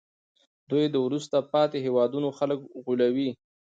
دوی د وروسته پاتې هېوادونو خلک غولوي